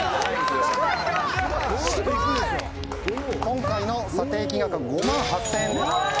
「今回の査定金額は５万８０００円です」